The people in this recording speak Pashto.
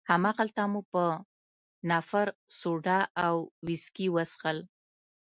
هماغلته مو په نفر سوډا او ویسکي وڅښل.